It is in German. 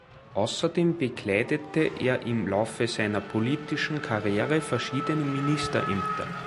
Außerdem bekleidete er im Laufe seiner politischen Karriere verschiedene Ministerämter.